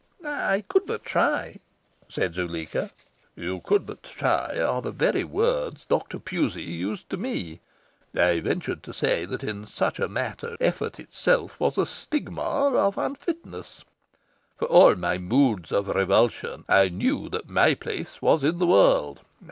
"I could but try," said Zuleika. "'You could but try' are the very words Dr. Pusey used to me. I ventured to say that in such a matter effort itself was a stigma of unfitness. For all my moods of revulsion, I knew that my place was in the world.